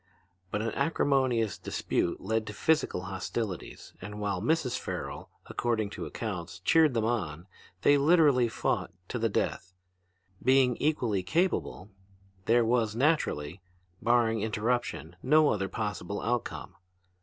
But an acrimonious dispute led to physical hostilities, and while Mrs. Farrel, according to accounts, cheered them on, they literally fought to the death. Being equally capable, there was naturally, barring interruption, no other possible outcome.